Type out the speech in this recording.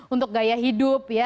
untuk gaya hidup